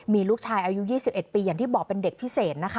มีลูกชายอายุ๒๑ปีอย่างที่บอกเป็นเด็กพิเศษนะคะ